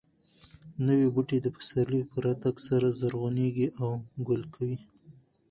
نوي بوټي د پسرلي په راتګ سره زرغونېږي او ګل کوي.